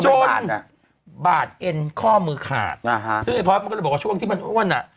จนบาดเอ็นข้อมือขาดซึ่งพอสก็เลยบอกว่าช่วงที่มันอ้วนอะ